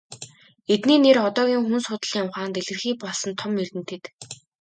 Эдний нэр одоогийн хүн судлалын ухаанд илэрхий болсон том эрдэмтэд.